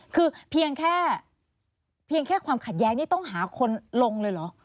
คือเพียงแค่ความขัดแยกนี้ต้องหาคนลงเลยเหรอ